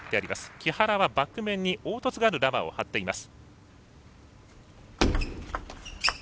木原はバック面に凹凸のあるラバーを貼っています。